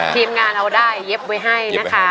ทีมงานเอาได้เย็บไว้ให้